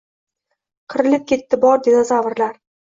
Qirilib ketdi bor dinozavrlar